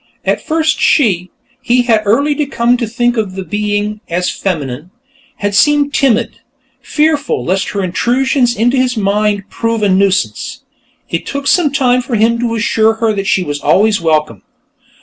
At first she he had early come to think of the being as feminine had seemed timid, fearful lest her intrusions into his mind prove a nuisance. It took some time for him to assure her that she was always welcome.